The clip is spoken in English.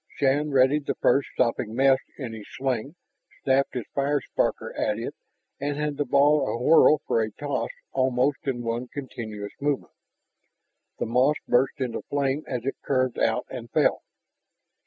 Shann readied the first sopping mess in his sling, snapped his fire sparker at it, and had the ball awhirl for a toss almost in one continuous movement. The moss burst into fire as it curved out and fell.